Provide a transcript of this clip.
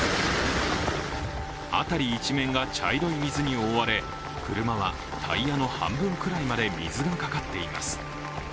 辺り一面が茶色いみずに覆われ車はタイヤの半分くらいまで水がかかっています。